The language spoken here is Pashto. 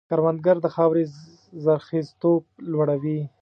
کروندګر د خاورې زرخېزتوب لوړوي